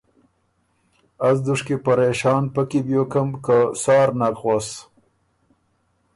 از دُشکي پرېشان پۀ کی بیوکم که سار نک غؤس